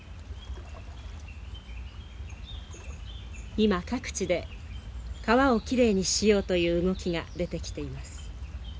今各地で川をきれいにしようという動きが出てきています。